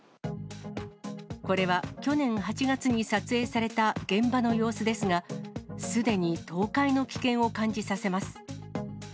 これは去年８月に撮影された現場の様子ですが、すでに倒壊の危険を感じさせます。